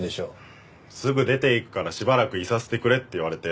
すぐ出て行くからしばらくいさせてくれって言われて。